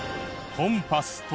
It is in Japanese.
コンパス。